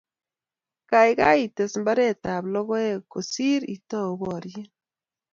keikei ites mbaretab lokoek kosir itou boriet